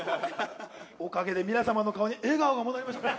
おかげで皆様の顔に笑顔が戻りました